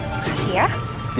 terima kasih ya